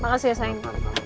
makasih ya sayang